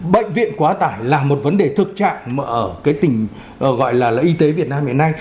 bệnh viện quá tải là một vấn đề thực trạng ở cái tỉnh gọi là y tế việt nam hiện nay